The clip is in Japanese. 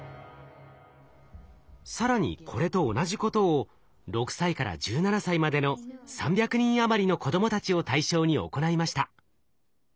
更にこれと同じことを６歳から１７歳までの３００人余りの子供たちを対象に行いました。